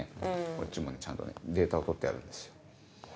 こっちもねちゃんとデータを取ってあるんですよ。